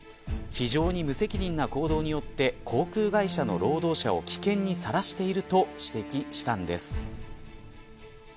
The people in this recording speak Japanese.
非常に無責任な行動によって航空会社の労働者を危険にさらしていると指摘したんです。